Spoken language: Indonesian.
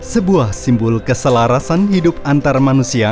sebuah simbol keselarasan hidup antar manusia